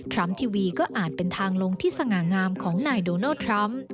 ทีวีก็อาจเป็นทางลงที่สง่างามของนายโดนัลดทรัมป์